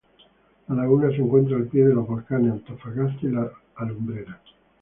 La laguna se encuentra al pie de los volcanes Antofagasta y La Alumbrera.